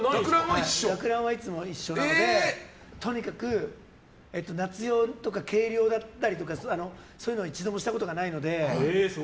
学ランはいつも一緒なのでとにかく夏用とか軽量だったりとか一度もしたことがないので。